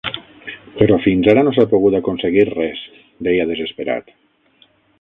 Però fins ara no s'ha pogut aconseguir res, deia desesperat